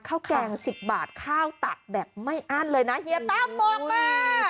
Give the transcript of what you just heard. แกง๑๐บาทข้าวตักแบบไม่อั้นเลยนะเฮียตั้มบอกมา